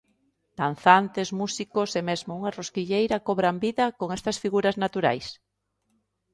Danzantes, músicos e mesmo unha rosquilleira cobran vida con estas figuras naturais.